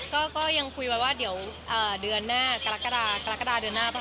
ก็ยังคุยไปว่าเดือนหน้ากลักกะดา